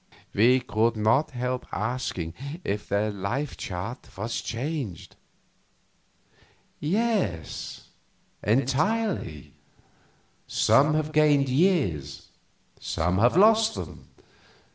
We could not help asking if their life chart was changed. "Yes, entirely. Some have gained years, some have lost them.